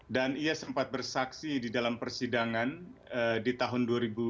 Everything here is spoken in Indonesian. dan ia sempat bersaksi di dalam persidangan di tahun dua ribu lima